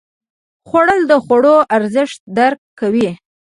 خوړل د خوړو ارزښت درک کوي